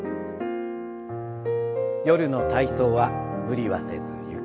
夜の体操は無理はせずゆっくり。